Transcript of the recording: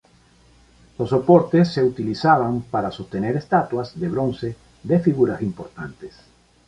Los soportes se utilizaban para sostener estatuas de bronce de figuras importantes.